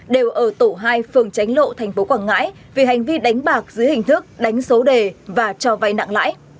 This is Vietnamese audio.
đều ở tổ hai phường tránh lộ tp quảng ngãi vì hành vi đánh bạc dưới hình thức đánh số đề và cho vay nặng lãi